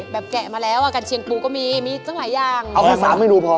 แกะมาแล้วอ่ะกันเชียงปูก็มีมีตั้งหลายอย่างเอาแค่สามเมนูพอ